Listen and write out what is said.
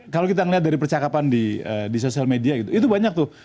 kalau kita melihat dari percakapan di sosial media gitu itu banyak tuh